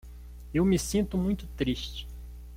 Eu me sinto muito triste